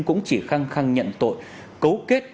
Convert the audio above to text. cũng chỉ khăng khăng nhận tội cấu kết